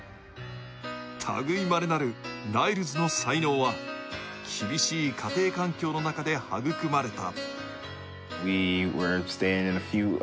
たぐいまれなるライルズの才能は厳しい家庭環境の中で育まれた。